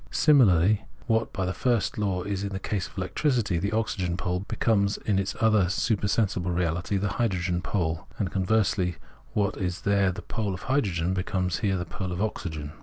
Similarly, what by the first law is in the case of electricity the oxygen pole becomes in its other supersensible reahty hydrogen pole ; and conversely, what is there the pole of hydrogen, becomes here the pole of oxygen.